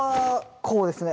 こうですね。